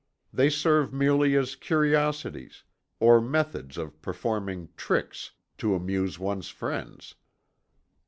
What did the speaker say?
They serve merely as curiosities, or methods of performing "tricks" to amuse one's friends.